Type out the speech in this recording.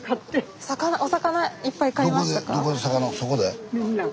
お魚いっぱい買いましたか？